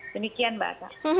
demikian mbak asah